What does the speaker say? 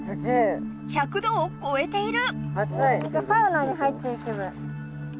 １００度をこえている！